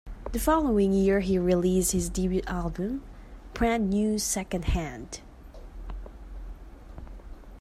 The following year he released his debut album, "Brand New Second Hand".